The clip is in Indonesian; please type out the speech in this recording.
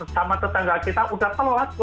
sama tetangga kita sudah keluar